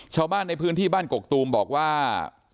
ชาวบ้านในพื้นที่บ้านกกตูมบอกว่า